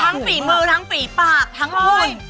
ทั้งปีเมอร์ทั้งปีปากทั้งอ่อน